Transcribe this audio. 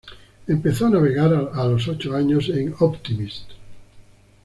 Empezó a navegar a los ocho años en Optimist.